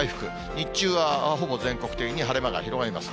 日中はほぼ全国的に晴れ間が広がります。